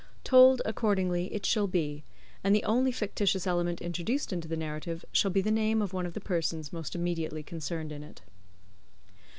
Told, accordingly, it shall be; and the only fictitious element introduced into the narrative shall be the name of one of the persons most immediately concerned in it.